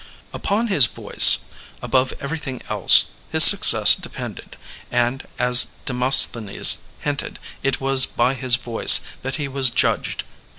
Upon his voice, above every thing else, his success depended; and, as Demos thenes hinted, it was by his voice that he was jndged.